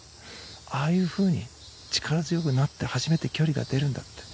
ああいうふうに力強くなって初めて距離が出るんだって。